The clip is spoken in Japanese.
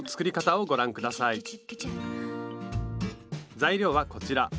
材料はこちら。